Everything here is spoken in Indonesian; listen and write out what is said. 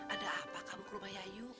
ada apa kamu ke rumah yayu